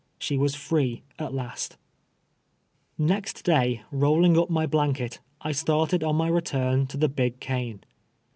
She Avas free at last ! Kext day, rolling up my blanket, I started on my return to the Big Cane.